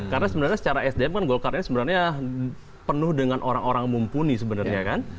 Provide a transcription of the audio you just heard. karena sebenarnya secara sdm kan goal cardnya sebenarnya penuh dengan orang orang mumpuni sebenarnya kan